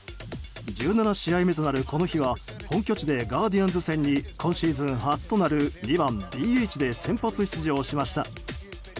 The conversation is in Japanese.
１７試合目となる、この日は本拠地でガーディアンズ戦に今シーズン初となる２番ＤＨで先発出場しました。